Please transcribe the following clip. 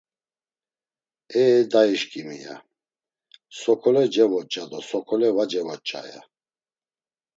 “Ee dayişǩimi!” ya; “Sokole cevoç̌a do sokole va cevoç̌a?” ya.